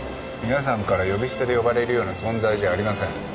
皆さんから呼び捨てで呼ばれるような存在じゃありません。